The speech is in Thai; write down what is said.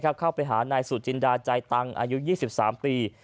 เข้าไปหานายสุจินดาใจตังอายุ๒๓ปี